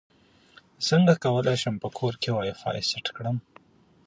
څنګه کولی شم په کور کې وائی فای سیټ کړم